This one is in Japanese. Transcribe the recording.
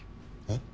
えっ？